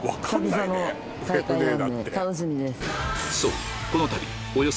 そう！